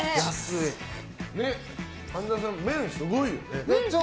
神田さん、麺すごいよね。